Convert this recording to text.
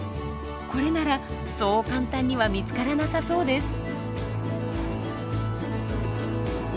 これならそう簡単には見つからなさそうです。